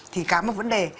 thì cám ơn vấn đề